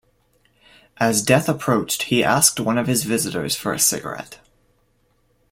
As death approached he asked one of his visitors for a cigarette.